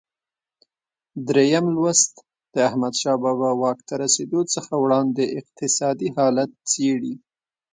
درېم لوست د احمدشاه بابا واک ته رسېدو څخه وړاندې اقتصادي حالت څېړي.